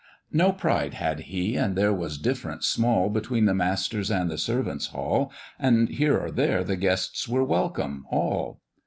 "No pride had he, and there was difference small Between the master's and the servant's hall: And here or there the guests were welcome all.